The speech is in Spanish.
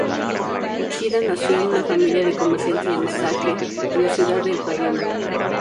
Uchida nació en una familia de comerciantes de sake en la ciudad de Okayama.